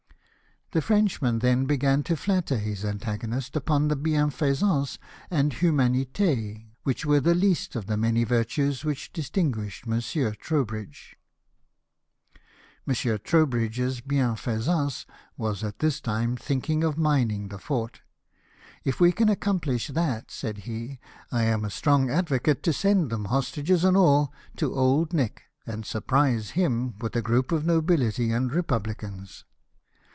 The Frenchman then began to flatter his antagonist upon the hienfaisance and humanitd, which were the least of the many virtues which distinguished Monsieur Trowbridge. TROWBRIDGE AND THE NEAPOLITANS. 191 Monsieur Trowbridge's bienfaisance was, at this time, thinking of mining the fort. " If we can accomplish that," said he, " I am a strong advocate to send them, hostages and all, to Old Nick, and surprise him with a group of nobility and republicans.